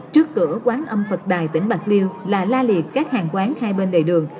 trước cửa quán âm phật đài tỉnh bạc liêu là la liệt các hàng quán hai bên đầy đường